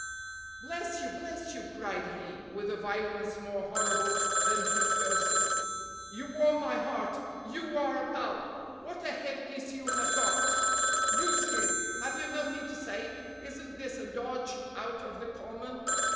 "Bless you, bless you!" cried he, with a violence more horrible than his curses, "you warm my heart, you are a pal. What a head piece you have got! you, Smith, have you nothing to say? Isn't this a dodge out of the common?"